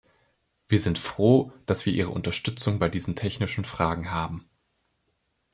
Wir sind froh, dass wir Ihre Unterstützung bei diesen technischen Fragen haben.